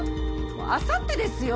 ⁉あさってですよ！